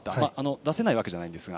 出せないわけじゃないんですが。